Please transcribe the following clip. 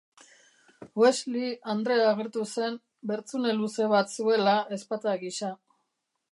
Weasley andrea agertu zen, bertzun luze bat zuela ezpata gisa.